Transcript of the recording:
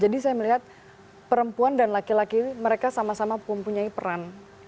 jadi saya melihat perempuan dan laki laki mereka sama sama pun punya peran ya